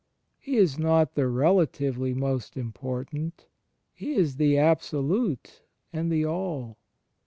He is not the relatively most important; He is the Absolute and the All.